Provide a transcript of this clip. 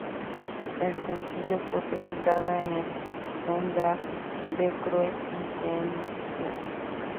El sencillo fue presentado en el soundtrack de Cruel Intentions.